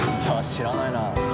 知らない？